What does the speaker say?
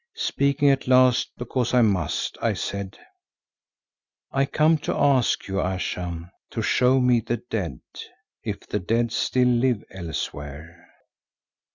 Speaking at last because I must, I said, "I come to ask you, Ayesha, to show me the dead, if the dead still live elsewhere."